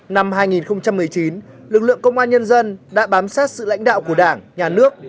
năm hai nghìn một mươi chín lực lượng công an nhân dân đã bám sát sự lãnh đạo của đảng nhà nước